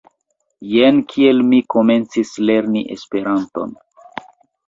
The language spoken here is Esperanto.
Jen kiel mi komencis lerni Esperanton.